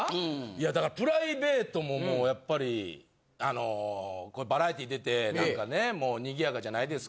いやだからプライベートももうやっぱりあのバラエティー出て何かねもう賑やかじゃないですか。